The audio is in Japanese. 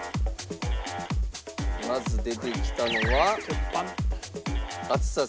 まず出てきたのは。